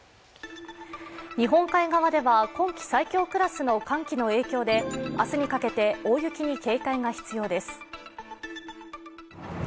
日本海側では今季最強クラスの寒気の影響で、明日にかけて大雪に警戒が必要です。